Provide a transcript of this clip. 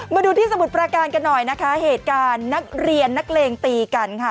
มาดูที่สมุทรประการกันหน่อยนะคะเหตุการณ์นักเรียนนักเลงตีกันค่ะ